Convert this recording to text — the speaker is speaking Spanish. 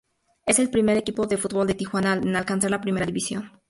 Es el primer equipo de fútbol de Tijuana en alcanzar la Primera División.